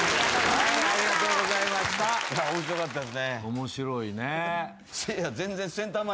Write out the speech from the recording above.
面白いね。